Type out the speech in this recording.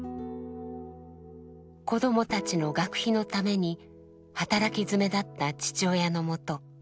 子どもたちの学費のために働きづめだった父親のもと